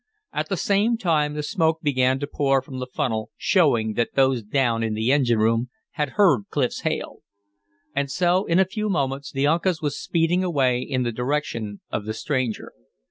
At the same time the smoke began to pour from the funnel, showing that those down in the engine room had heard Clif's hail. And so in a few moments the Uncas was speeding away in the direction of the stranger.